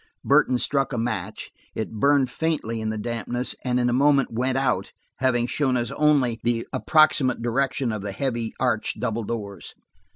Burton struck a match; it burned faintly in the dampness, and in a moment went out, having shown us only the approximate location of the heavy, arched double doors.